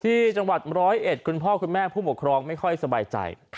ที่จังหวัดร้อยเอ็ดคุณพ่อคุณแม่ผู้ปกครองไม่ค่อยสบายใจ